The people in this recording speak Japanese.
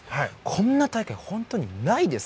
こんな体験、本当にないです。